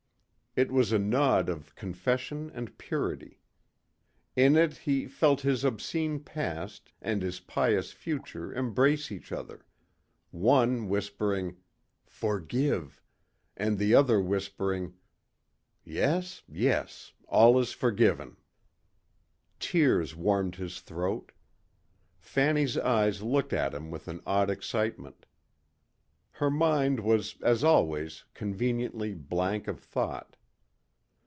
It was a nod of confession and purity. In it he felt his obscene past and his pious future embrace each other, one whispering "forgive" and the other whispering "yes, yes. All is forgiven." Tears warmed his throat. Fanny's eyes looked at him with an odd excitement. Her mind was as always conveniently blank of thought.